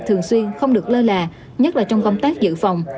thường xuyên không được lơ là nhất là trong công tác dự phòng